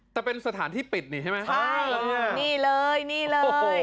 แต่เป็นสถานที่ปิดนี่ใช่ไหมใช่นี่เลยนี่เลย